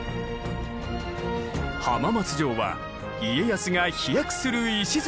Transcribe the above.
浜松城は家康が飛躍する礎となった城。